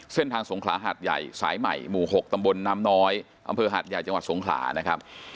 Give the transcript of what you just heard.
สงขลาหาดใหญ่สายใหม่หมู่๖ตำบลน้ำน้อยอำเภอหาดใหญ่จังหวัดสงขลานะครับ